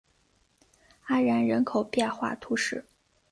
阿然人口变化图示